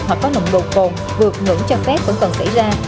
hoặc có nộng đồ cồn vượt ngưỡng cho phép vẫn còn xảy ra